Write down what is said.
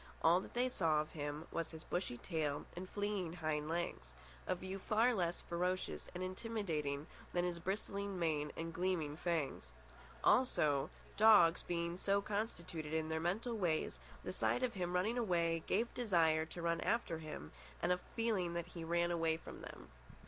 All that they saw of him was his bushy tail and fleeing hind legs—a view far less ferocious and intimidating than his bristling mane and gleaming fangs. Also, dogs being so constituted in their mental ways, the sight of him running away gave desire to run after him and a feeling that he ran away from them.